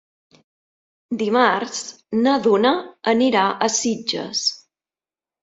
Dimarts na Duna anirà a Sitges.